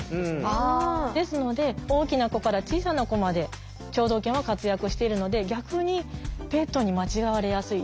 ですので大きな子から小さな子まで聴導犬は活躍しているので逆にペットに間違われやすい。